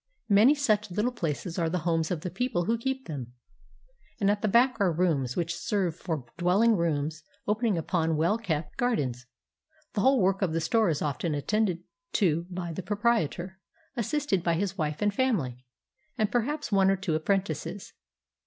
Many such Httle places are the homes of the people who keep them. And at the back are rooms which serve for dwelHng rooms, opening upon well kept 402 I HOW JAPANESE LADIES GO SHOPPING gardens. The whole work of the store is often attended to by the proprietor, assisted by his wife and family, and perhaps one or two apprentices.